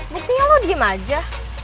buktinya lo diem aja